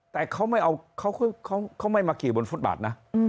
แต่เขาไม่เอาเขาไม่มาขี่บนฟุตบาทนะ